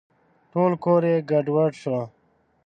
ټول کور یې ګډوډ شو .